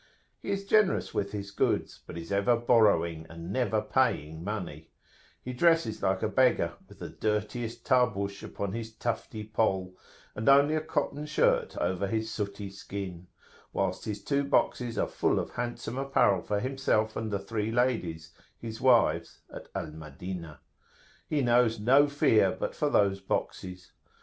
He is generous with his goods, but is ever borrowing and never paying money; he dresses like a beggar, with the dirtiest Tarbush upon his tufty poll, and only a cotton shirt over his sooty skin; whilst his two boxes are full of handsome apparel for himself and the three ladies, his wives, at Al Madinah. He knows no fear but for those boxes.